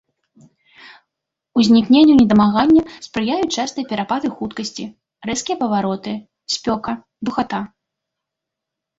Узнікненню недамагання спрыяюць частыя перапады хуткасці, рэзкія павароты, спёка, духата.